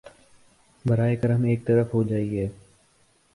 براہ کرم ایک طرف ہو جایئے